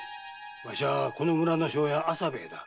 わしはこの村の庄屋麻兵衛だ。